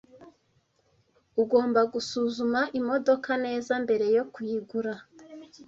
Ugomba gusuzuma imodoka neza mbere yo kuyigura.